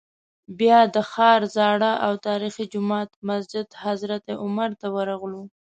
بیا د ښار زاړه او تاریخي جومات مسجد حضرت عمر ته ورغلو.